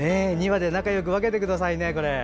２羽で仲よく分けてくださいね。